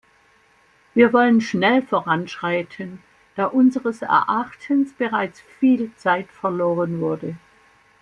Wir wollen schnell voranschreiten, da unseres Erachtens bereits viel Zeit verloren wurde.